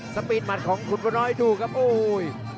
สปีดหมัดของคุณบัวน้อยดูครับโอ้โห